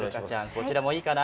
こちらもいいかな？